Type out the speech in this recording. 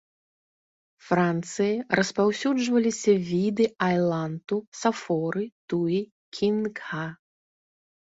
Францыі распаўсюджваліся віды айланту, сафоры, туі, гінкга.